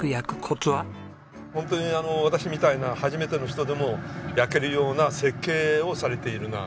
本当に私みたいな初めての人でも焼けるような設計をされているなと。